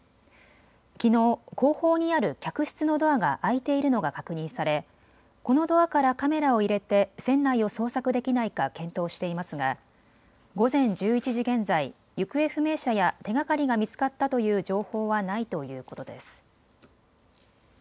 きのう後方にある客室のドアが開いているのが確認されこのドアからカメラを入れて船内を捜索できないか検討していますが午前１１時現在、行方不明者や手がかりが見つかったという情報はないということです。